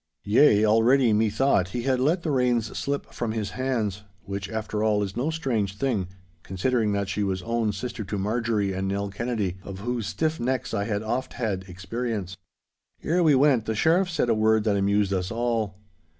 Yea, already methought he had let the reins slip from his hands—which, after all, is no strange thing, considering that she was own sister to Marjorie and Nell Kennedy, of whose stiff necks I had oft had experience. Ere we went, the Sheriff said a word that amused us all.